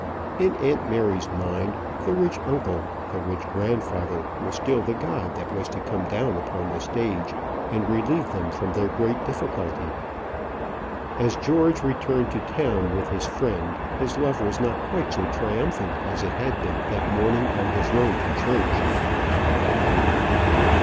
In aunt Mary's mind, the rich uncle, the rich grandfather, was still the god that was to come down upon the stage and relieve them from their great difficulty. As George returned to town with his friend, his love was not quite so triumphant as it had been that morning on his road to church.